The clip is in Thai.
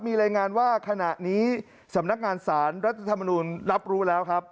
มีรายงานว่าขณะนี้สำนักงานสารรัฐธรรมนุนรับรู้แล้วครับ